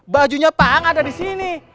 bajunya pak ang ada di sini